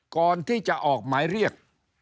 ก่อนที่จะออกหมายเรียก